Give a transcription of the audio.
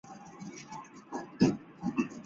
包括肌肉和海绵组织。